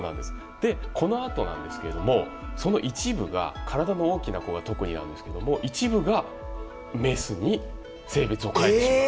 でこのあとなんですけれどもその一部が体の大きな子が特になんですけども一部がメスに性別を変えてしまう。